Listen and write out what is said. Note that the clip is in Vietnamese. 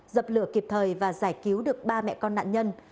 dập lửa kịp thời và giải cứu được ba mẹ con nạn nhân